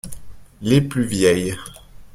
Les plus vieilles.